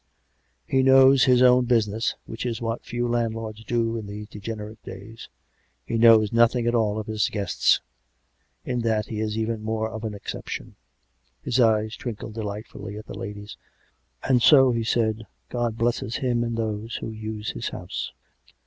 " He knows his own business, which is what few land lords do, in these degenerate days; and he knows nothing at all of his guests'. In that he is even more of an ex ception." His eyes twinkled delightfully at the ladies. " And so," he said, " God blesses him in those who use his house."